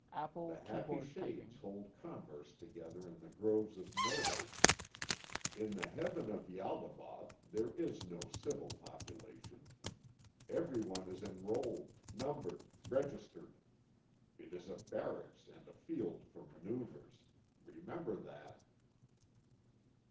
The happy shades hold converse together in the groves of myrtle. In the Heaven of Ialdabaoth there is no civil population. Everyone is enrolled, numbered, registered. It is a barracks and a field for manoeuvres. Remember that."